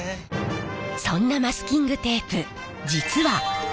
そんなマスキングテープ実はジャジャン！